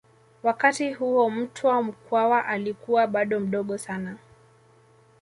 Wakati huo Mtwa Mkwawa alikuwa bado mdogo sana